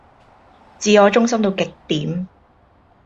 自我中心到極點